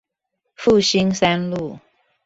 復興三路